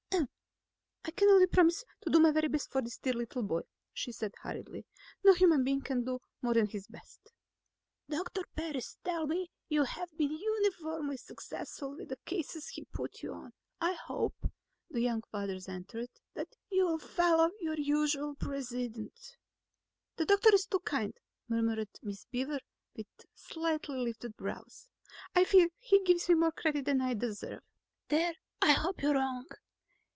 "I can only promise to do my very best for this dear little boy," she said hurriedly. "No human being can do more than his best." "Doctor Parris tells me you have been uniformly successful with the cases he's put you on. I hope," the young father entreated, "that you'll follow your usual precedent." "The doctor is too kind," murmured Miss Beaver with slightly lifted brows. "I fear he gives me more credit than I deserve." "There I hope you're wrong.